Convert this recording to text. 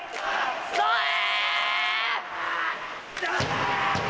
それ！